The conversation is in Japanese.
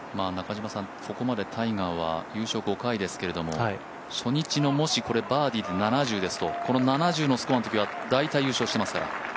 ここまでタイガーは優勝５回ですけども初日の、もしバーディーで７０ですとこの７０のスコアの時は大体、優勝してますから。